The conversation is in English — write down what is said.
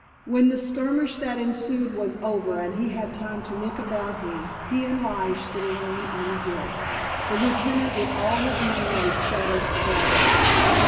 When the skirmish that ensued was over and he had time to look about him he and Lige stood alone on the hill. The lieutenant with all his men lay scattered about them.